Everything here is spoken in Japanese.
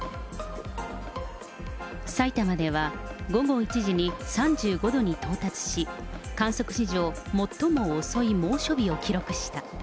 さいたまでは午後１時に３５度に到達し、観測史上、最も遅い猛暑日を記録した。